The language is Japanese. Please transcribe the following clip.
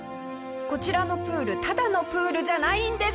こちらのプールただのプールじゃないんです！